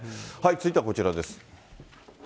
続いてはこちらです。